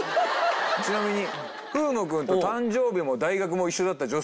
ちなみに風磨君と誕生日も大学も一緒だった。